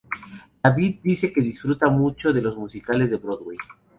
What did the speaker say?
David dice que disfruta mucho de los musicales de Broadway.